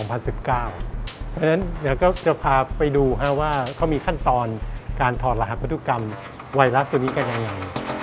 เพราะฉะนั้นเดี๋ยวก็จะพาไปดูว่าเขามีขั้นตอนการถอดรหัสพันธุกรรมไวรัสตัวนี้กันยังไง